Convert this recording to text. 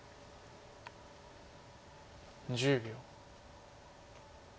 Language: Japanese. １０秒。